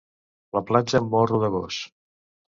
La platja Morro de Gos